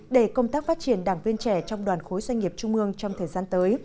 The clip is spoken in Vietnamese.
để công tác phát triển đảng viên trẻ trong đoàn khối doanh nghiệp trung ương trong thời gian tới